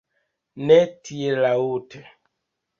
Ne tiel laŭte!